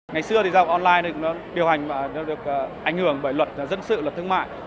ngày xưa thì online được điều hành và được ảnh hưởng bởi luật dân sự luật thương mại